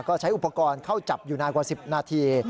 ก็ใช้อุปกรณ์เข้าจับอยู่นานกว่า๑๐นาที